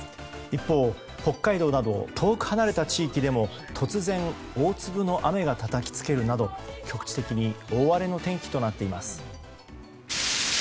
一方、北海道など遠く離れた地域でも突然大粒の雨がたたきつけるなど局地的に大荒れの天気となっています。